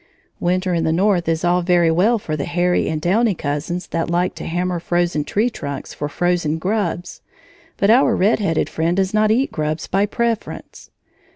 Winter in the North is all very well for the hairy and downy cousins that like to hammer frozen tree trunks for frozen grubs; but our red headed friend does not eat grubs by preference.